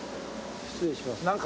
失礼します。